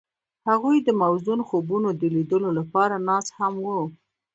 هغوی د موزون خوبونو د لیدلو لپاره ناست هم وو.